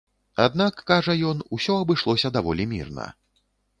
Аднак, кажа ён, усё абышлося даволі мірна.